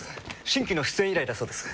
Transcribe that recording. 新規の出演依頼だそうです。